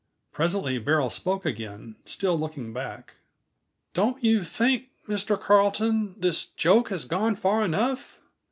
Presently Beryl spoke again, still looking back. "Don't you think, Mr. Carleton, this joke has gone far enough?